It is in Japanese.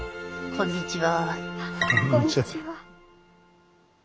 こんにちは。